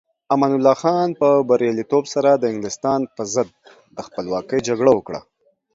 امان الله خان په بریالیتوب سره د انګلستان پر ضد د خپلواکۍ جګړه وکړه.